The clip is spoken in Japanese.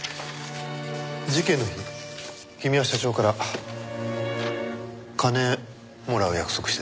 事件の日君は社長から金もらう約束してた。